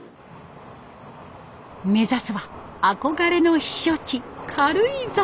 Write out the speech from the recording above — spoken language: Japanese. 目指すは憧れの避暑地軽井沢。